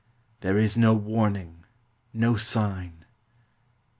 There is no warning, no sign!